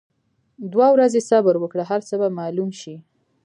دوه ورځي صبر وکړه هرڅۀ به معلوم شي.